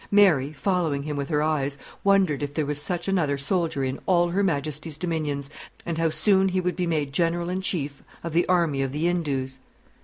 Mary, following him with her eyes, wondered if there was such another soldier in all Her Majesty's dominions, and how soon he would be made General in Chief of the Army of the Indus.